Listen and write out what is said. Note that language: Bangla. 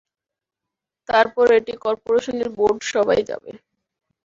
তারপর এটি করপোরেশনের বোর্ড সভায় যাবে।